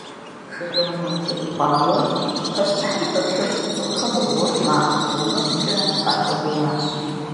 ШэджагъуэнэужьыфӀ хъуауэ пащтыхьым пэплъэу щыт цӀыхухэм гъуор макъ гъумыфӀкӀэ къахэгуоуащ.